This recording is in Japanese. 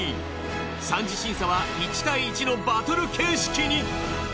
三次審査は１対１のバトル形式に。